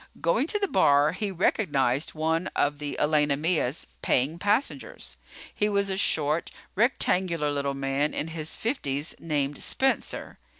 Going to the bar, he recognized one of the Elena Mia's paying passengers. He was a short, rectangular little man in his fifties named Spencer.